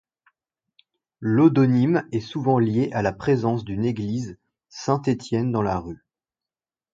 L’odonyme est souvent lié à la présence d’une ‘église Saint-Etienne’ dans la rue.